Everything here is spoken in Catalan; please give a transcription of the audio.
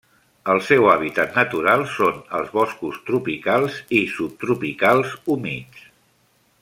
El seu hàbitat natural són els boscos tropicals i subtropicals humits.